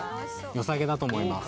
良さげだと思います。